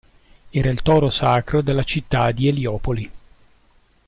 Era il toro sacro della città di Eliopoli.